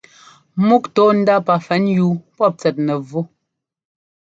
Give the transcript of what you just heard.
Múk ńtɔ́ɔ ndá pafɛnyúu pɔ́p tsɛt nɛvú.